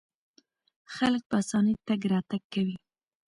خلک په اسانۍ تګ راتګ کوي.